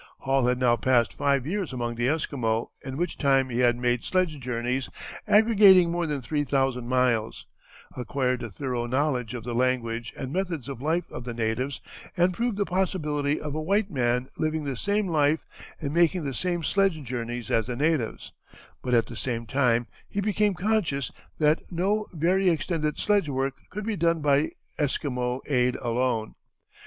Hall had now passed five years among the Esquimaux, in which time he had made sledge journeys aggregating more than three thousand miles; acquired a thorough knowledge of the language and methods of life of the natives, and proved the possibility of a white man living the same life and making the same sledge journeys as the natives; but at the same time he became conscious that no very extended sledge work could be done by Esquimau aid alone.